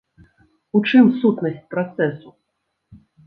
У чым сутнасць працэсу?